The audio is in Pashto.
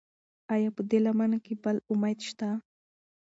ایا په دې لمنه کې بل امید شته؟